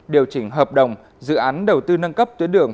điều chỉnh hợp đồng dự án đầu tư nâng cấp tuyến đường